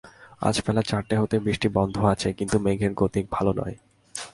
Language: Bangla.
আজ বেলা চারটে হইতে বৃষ্টি বন্ধ আছে, কিন্তু মেঘের গতিক ভালো নয়।